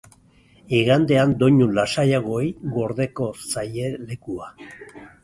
Igandean, doinu lasaiagoei gordeko zaie lekua.